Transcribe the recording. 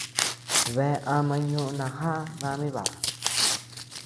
Bea ama ñoʼo najaʼa dami baʼa.